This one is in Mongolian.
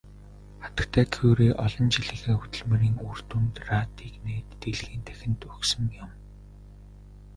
Хатагтай Кюре олон жилийнхээ хөдөлмөрийн үр дүнд радийг нээж дэлхий дахинд өгсөн юм.